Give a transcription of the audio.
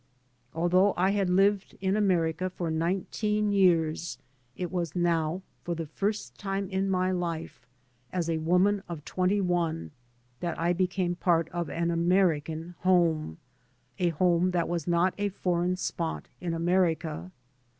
Although I had lived in America for nineteen years, it was now for the Hrst time in my life, as a woman of twenty one, that I became part of an American home, a home that was not a foreign spot in America.